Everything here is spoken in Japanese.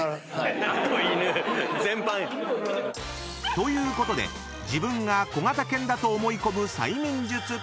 ［ということで自分が小型犬だと思い込む催眠術］